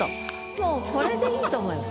もうこれで良いと思います。